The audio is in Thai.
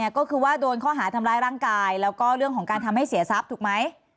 ก็คือว่าโดนข้อหาทำร้ายร่างกายแล้วก็เรื่องของการทำให้เสียทรัพย์ถูกไหม